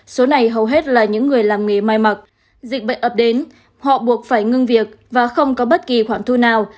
số này hầu hết là những người làm nghề may mặc dịch bệnh ập đến họ buộc phải ngưng việc và không có bất kỳ khoản thu nào